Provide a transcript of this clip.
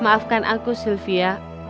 maafkan aku sylvia